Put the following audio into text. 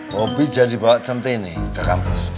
hobi jadi bawa centeni ke kampus